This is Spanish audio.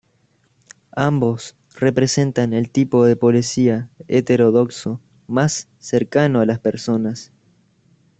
Ambos representan el tipo de policía heterodoxo, más cercano a las personas.